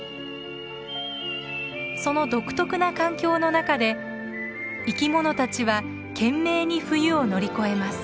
その独特な環境の中で生きものたちは懸命に冬を乗り越えます。